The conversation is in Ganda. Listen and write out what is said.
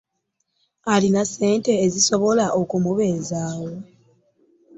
Alina ssente ezisobola okumubezaawo.